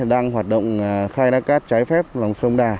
đang hoạt động khai thác cát trái phép lòng sông đà